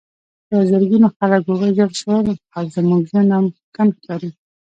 په زرګونو خلک ووژل شول او زموږ ژوند ناممکن ښکاري